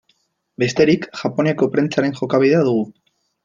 Bestetik, Japoniako prentsaren jokabidea dugu.